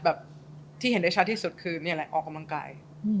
แบบที่เห็นได้ชัดที่สุดคือนี่แหละออกกำลังกาย